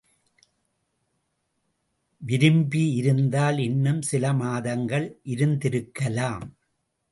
விருமபி இருந்தால் இன்னும் சில மாதங்கள் இருந்திருக்கலாம்.